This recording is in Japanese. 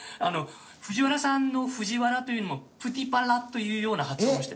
藤原さんの「藤原」というのも「ぷでぃぱら」というような発音をしてた。